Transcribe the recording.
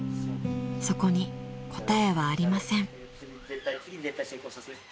［そこに答えはありません］